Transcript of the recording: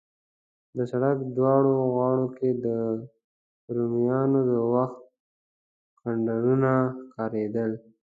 د سړک دواړو غاړو کې د رومیانو د وخت کنډرونه ښکارېدل.